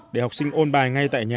để học sinh ôn bài ngay tại nhà